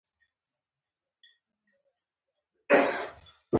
دغه تپنه د استبداد مهمه تګلاره ده.